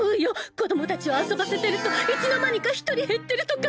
子供たちを遊ばせてるといつの間にか１人減ってるとか！